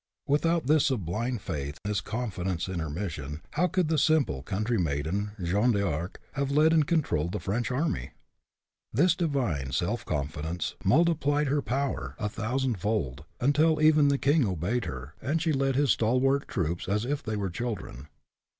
Without this sublime faith, this confidence in her mission, how could the simple country maiden, Jeanne d'Arc, have led and controlled the French army? This divine self confidence multiplied her power a 3 4 HE CAN WHO THINKS HE CAN thousandfold, until even the king obeyed her, and she led his stalwart troops as if they were children.